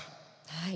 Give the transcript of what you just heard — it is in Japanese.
はい。